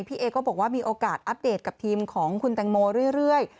เอก็บอกว่ามีโอกาสอัปเดตกับทีมของคุณแตงโมเรื่อย